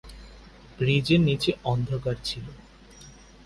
ব্রিজের নিচে অন্ধকার ছিল।